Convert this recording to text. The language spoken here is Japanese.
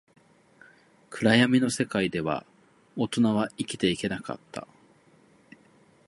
暗闇の世界では、大人は生きていけなかった